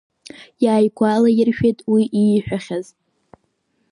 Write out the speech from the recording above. Иааигәалаиршәеит уи ииҳәахьаз.